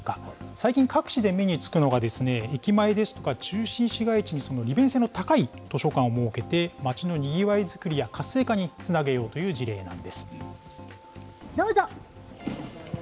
最近、各地で目につくのが駅前ですとか、中心市街地に利便性の高い図書館を設けて、街のにぎわいづくりや活性化につなげようという事例なんです。